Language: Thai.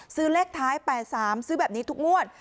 เลขท้าย๘๓ซื้อแบบนี้ทุกงวด